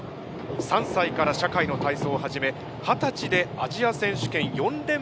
３歳から社会の体操を始め二十歳でアジア選手権４連覇を達成。